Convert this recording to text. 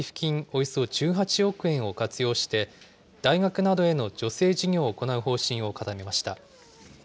およそ１８億円を活用して、大学などへの助成事業を行う方針を固めました。